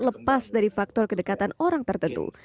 lepas dari faktor kedekatan orang tertentu